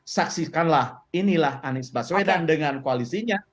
saksikanlah inilah anies baswedan dengan koalisinya